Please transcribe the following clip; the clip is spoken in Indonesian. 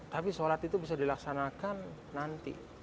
tapi sholat itu bisa dilaksanakan nanti